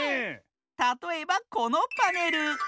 たとえばこのパネル。